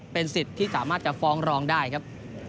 เป็นสิทธิ์ที่สามารถจะฟ้องร้องได้ครับ